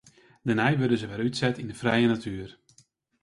Dêrnei wurde se wer útset yn de frije natoer.